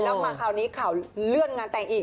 แล้วมาคราวนี้ข่าวเลื่อนงานแต่งอีก